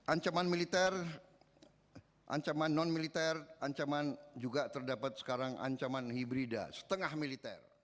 ancaman militer ancaman non militer ancaman juga terdapat sekarang ancaman hibrida setengah militer